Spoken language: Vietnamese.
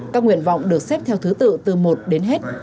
các nguyện vọng được xếp theo thứ tự từ một đến hết